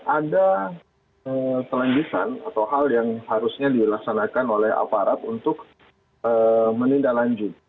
ada kelanjutan atau hal yang harusnya dilaksanakan oleh aparat untuk menindaklanjut